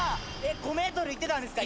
５ｍいってたんですか？